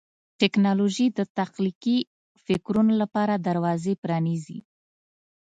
ټیکنالوژي د تخلیقي فکرونو لپاره دروازې پرانیزي.